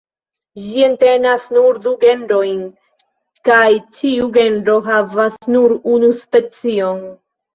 Ĝi entenas nur du genrojn, kaj ĉiu genro havas nur unu specion.